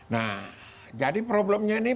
nah jadi problemnya ini